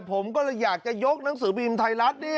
ผมก็อยากยกหนังสือบีมไทยรัฐเนี่ย